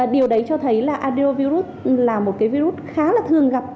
điều đấy cho thấy là andenovirus là một virus khá là thường gặp